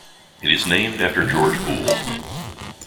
It is named after George Boole.